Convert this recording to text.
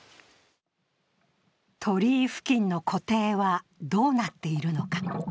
鳥居付近の湖底はどうなっているのか。